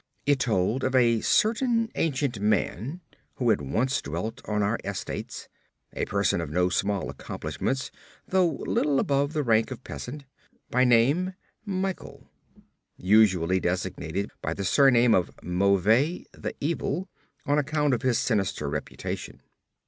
It told of a certain ancient man who had once dwelt on our estates, a person of no small accomplishments, though little above the rank of peasant; by name, Michel, usually designated by the surname of Mauvais, the Evil, on account of his sinister reputation.